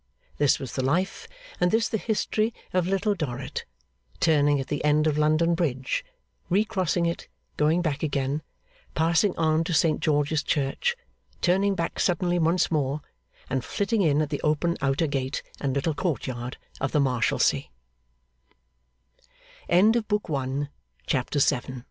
This was the life, and this the history, of Little Dorrit; turning at the end of London Bridge, recrossing it, going back again, passing on to Saint George's Church, turning back suddenly once more, and flitting in at the open outer gate and little court yard of the Marshalse